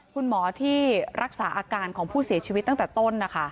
คุณหมอที่รักษาอาการของผู้เสียชีวิตตั้งแต่ต้นนะคะ